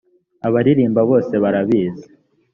abaririmba bose barabizi